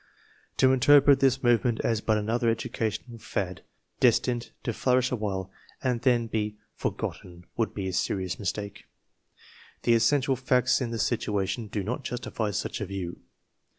To interpret this movement as but another educa tional fad, destined to flourish awhile and then be for gotten, would be a serious mistake. The essential facts in the situation do not justify such a view.